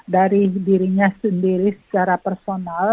dari dirinya sendiri secara personal